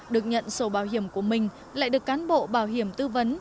được nhận sổ bảo hiểm của mình lại được cán bộ bảo hiểm tư vấn